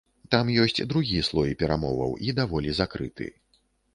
Там ёсць другі слой перамоваў і даволі закрыты.